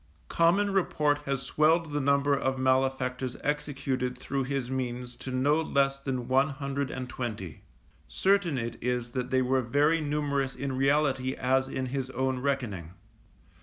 Common report has swelled the number of malefactors executed through his means to no less than one hundred and twenty; certain it is that they were very numerous in reality as in his own reckoning.